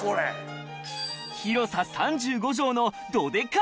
広さ３５帖のどデカい